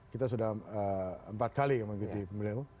kita sudah empat kali memang gitu